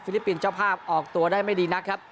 ลิปปินส์เจ้าภาพออกตัวได้ไม่ดีนักครับ